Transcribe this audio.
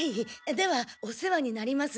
ではお世話になります。